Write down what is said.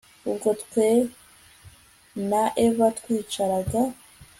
ubwo twe na eva twicaraga